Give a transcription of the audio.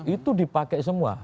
itu dipakai semua